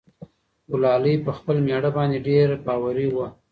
ګلالۍ په خپل مېړه باندې ډېر باوري وه.